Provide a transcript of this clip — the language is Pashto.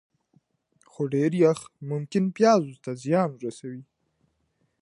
خو ډېر یخ ممکن پیاز ته زیان ورسوي.